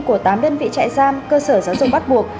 của tám đơn vị trại giam cơ sở giáo dục bắt buộc